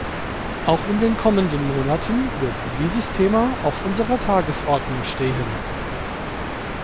Auch in den kommenden Monaten wird dieses Thema auf unserer Tagesordnung stehen.